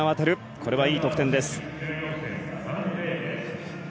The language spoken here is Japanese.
これはいい得点です。